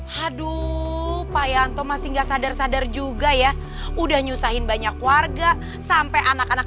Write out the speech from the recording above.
haduh pak yanto masih nggak sadar sadar juga ya udah nyusahin banyak warga sampai anak anak